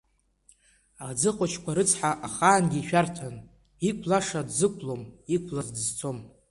Аӡы хәашьқәа рыцҳа ахаангьы ишәарҭан, иқәлаша дзықәлом, иқәлаз дызцом.